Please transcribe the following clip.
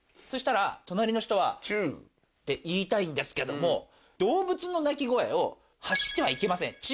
そしたら隣の人は。って言いたいんですけども動物の鳴き声を発してはいけません。